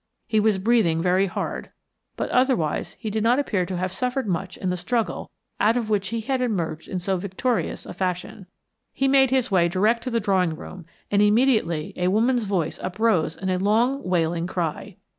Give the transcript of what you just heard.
He was breathing very hard, but otherwise he did not appear to have suffered much in the struggle out of which he had emerged in so victorious a fashion. He made his way direct to the drawing room, and immediately a woman's voice uprose in a long wailing cry.